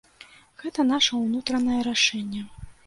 Гэта наша ўнутранае рашэнне.